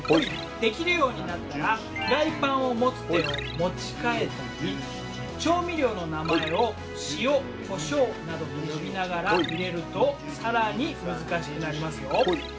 できるようになったらフライパンを持つ手を持ち替えたり調味料の名前を「塩・コショウ」などと呼びながら入れると更に難しくなりますよ。